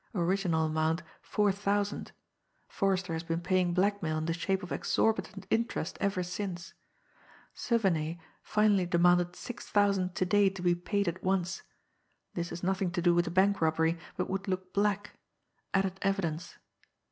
original amount four thousand ... Forrester has been paying blackmail in the shape of exorbitant interest ever since ... Suviney finally demanded six thousand to day to be paid at once ... this has nothing to do with the bank robbery, but would look black ... added evidence...."